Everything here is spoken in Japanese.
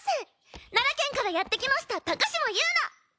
奈良県からやってきました高嶋友奈